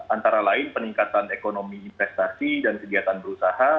antara lain peningkatan ekonomi investasi dan kegiatan berusaha